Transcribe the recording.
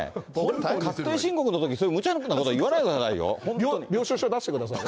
あのね、確定申告のとき、そうむちゃなこと言わないでくださ領収書出してくださいよ。